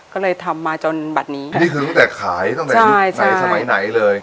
ก็เลยทำมาจนบัตรนี้นี่คือตั้งแต่ขายตั้งแต่ยุคไหนสมัยไหนเลย